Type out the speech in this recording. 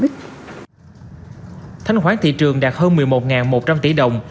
thanh khoản thị trường đạt hơn một mươi một một trăm linh tỷ đồng